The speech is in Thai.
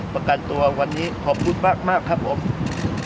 ประกันตัววันนี้ขอบคุณมากครับผม